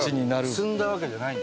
積んだわけじゃないんだ。